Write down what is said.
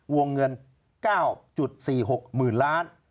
วงเงิน๙๔๖หมื่นล้านบาท